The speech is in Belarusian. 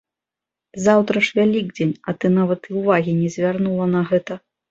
Заўтра ж вялікдзень, а ты нават і ўвагі не звярнула на гэта.